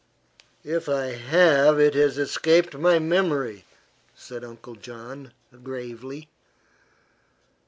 "If I have it has escaped my memory," said Uncle John, gravely.